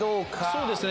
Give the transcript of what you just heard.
そうですね。